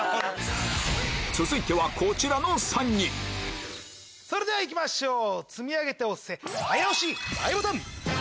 続いてはこちらの３人それではいきましょう積み上げて押せ！